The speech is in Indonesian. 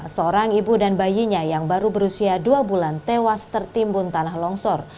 seorang ibu dan bayinya yang baru berusia dua bulan tewas tertimbun tanah longsor